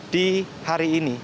di hari ini